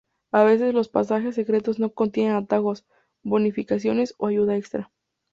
A veces, los pasajes secretos no contienen atajos, bonificaciones o ayuda extra.